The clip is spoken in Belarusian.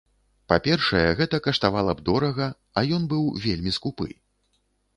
Па-першае, гэта каштавала б дорага, а ён быў вельмі скупы.